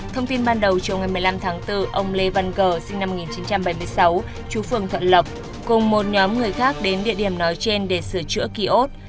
thông tin ban đầu chiều ngày một mươi năm tháng bốn ông lê văn cờ sinh năm một nghìn chín trăm bảy mươi sáu chú phường thuận lộc cùng một nhóm người khác đến địa điểm nói trên để sửa chữa kiốt